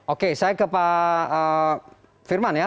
oke saya ke pak firman ya